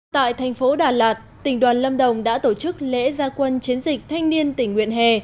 tại thành phố đà lạt tỉnh đoàn lâm đồng đã tổ chức lễ gia quân chiến dịch thanh niên tỉnh nguyện hè